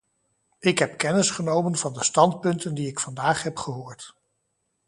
Ik heb kennis genomen van de standpunten die ik vandaag heb gehoord.